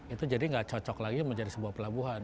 itu jadi nggak cocok lagi menjadi sebuah pelabuhan